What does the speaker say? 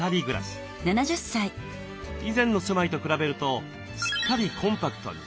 以前の住まいと比べるとすっかりコンパクトに。